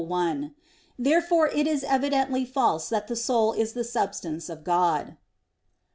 1), wherefore it is evidently false that the soul is of the substance of God.